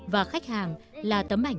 và khách hàng là tấm ảnh